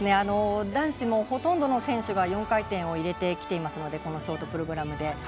男子もほとんどの選手が４回転を入れてきていますのでこのショートプログラムで。